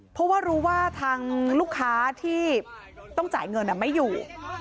เพราะว่ารู้ว่าทางลูกค้าที่ต้องจ่ายเงินไม่อยู่